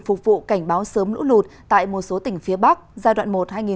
phục vụ cảnh báo sớm lũ lụt tại một số tỉnh phía bắc giai đoạn một hai nghìn hai mươi